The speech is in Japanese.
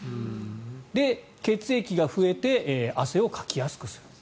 で、血液が増えて汗をかきやすくする。